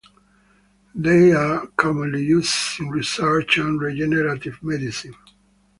They are commonly used in research and regenerative medicine.